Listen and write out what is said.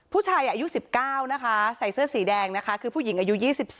ผู้ชายอายุ๑๙นะคะใส่เสื้อสีแดงนะคะคือผู้หญิงอายุ๒๔